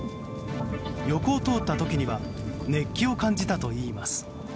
横を通った時には熱気を感じたといいます。